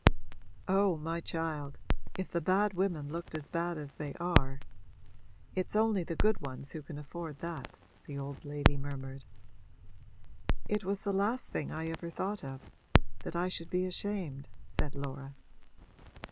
'Oh my child, if the bad women looked as bad as they are ! It's only the good ones who can afford that,' the old lady murmured. 'It was the last thing I ever thought of that I should be ashamed,' said Laura.